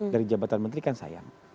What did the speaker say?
dari jabatan menteri kan sayang